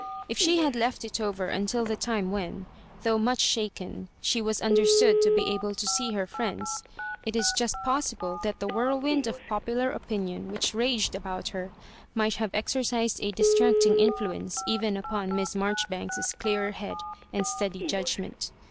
If she had left it over until the time when, though much shaken, she was understood to be able to see lier friends, it is just possible that the whirlwind of po^ pular opinion which raged about her might have exercised a distracting influence even upon Miss Marjoribanks's dear bead and steady judgment.